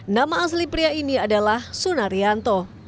nama asli pria ini adalah sunarianto